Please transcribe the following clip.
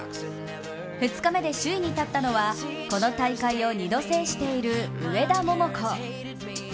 ２日目で首位に立ったのはこの大会を２度制している上田桃子。